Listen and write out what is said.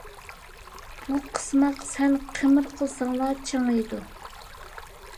بۇ قىسماق سەن قىمىر قىلساڭلا چىڭىيدۇ.